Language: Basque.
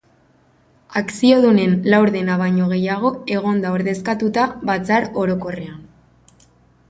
Akziodunen laurdena baino gehiago egon da ordezkatuta batzar orokorrean.